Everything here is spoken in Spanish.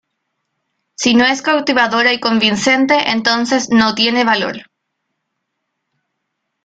Si no es cautivadora y convincente, entonces no tiene valor.